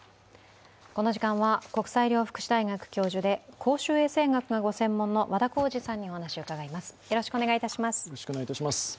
この時間は国際医療福祉大学教授で公衆衛生学がご専門の和田耕治さんにお話を伺います。